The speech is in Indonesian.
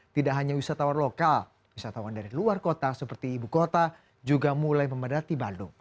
tidak hanya wisatawan lokal wisatawan dari luar kota seperti ibu kota juga mulai memadati bandung